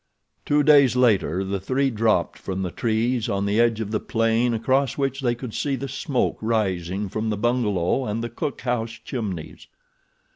Two days later the three dropped from the trees on the edge of the plain across which they could see the smoke rising from the bungalow and the cook house chimneys.